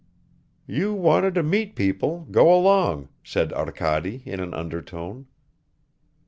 "You wanted to meet people, go along," said Arkady in an undertone.